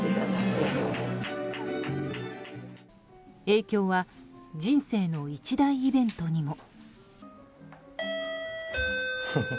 影響は人生の一大イベントにも。